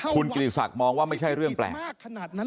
คุณกิจสักษ์มองว่าไม่ใช่เรื่องแปลก